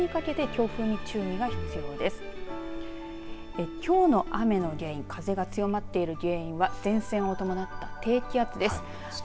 きょうの雨の原因風が強まっている原因は前線を伴った低気圧です。